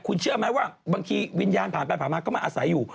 คุณเชื่อไหมว่าบางทีวิญญาณผ่านไปผ่านมาก็มาอาศัยอยู่